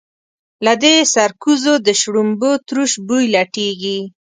له دې سرکوزو د شړومبو تروش بوی لټېږي.